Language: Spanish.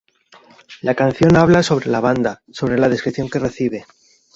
La canción habla sobre la banda, sobre la descripción que recibe